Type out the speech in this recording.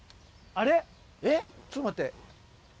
ちょっと待って。